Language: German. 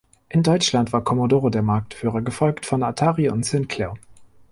In Deutschland war Commodore der Marktführer, gefolgt von Atari und Sinclair.